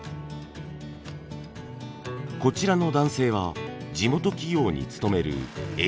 こちらの男性は地元企業に勤めるエンジニア。